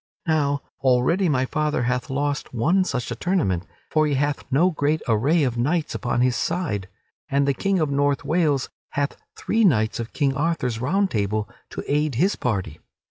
Now, already my father hath lost one such a tournament, for he hath no very great array of knights upon his side, and the King of North Wales hath three knights of King Arthur's Round Table to aid his party.